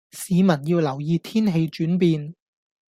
市民要留意天氣轉變